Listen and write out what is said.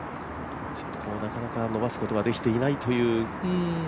なかなか伸ばすことができていないという。